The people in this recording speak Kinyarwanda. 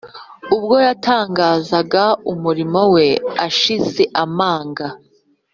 . Ubwo yatangazaga umurimo We ashize amanga,